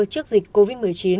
trước dịch covid một mươi chín